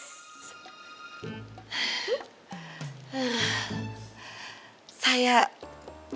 saya senang sekali bisa bekerja sama dengan perusahaan ini